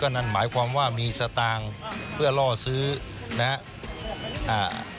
นั่นหมายความว่ามีสตางค์เพื่อล่อซื้อนะฮะอ่า